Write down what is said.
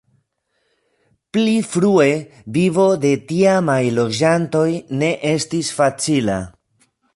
Pli frue vivo de tiamaj loĝantoj ne estis facila.